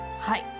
はい。